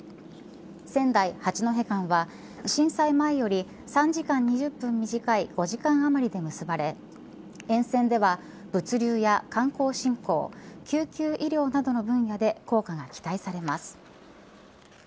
仙台、八戸間は震災前より３時間２０分短い５時間あまりで結ばれ沿線では、物流や観光振興救急医療などの分野で効果が期待されます。